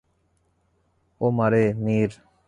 ও-মা-রে, Mir!